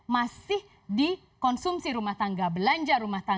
masih dikonsumsi rumah tangga belanja